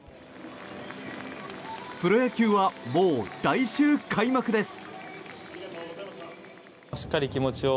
プロ野球は、もう来週開幕です。